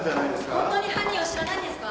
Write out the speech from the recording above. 本当に犯人を知らないんですか？